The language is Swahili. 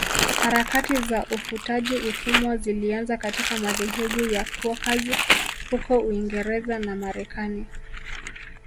Harakati za ufutaji utumwa zilianza katika madhehebu ya Quakers huko Uingereza na Marekani